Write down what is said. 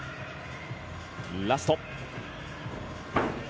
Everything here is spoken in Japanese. ラスト。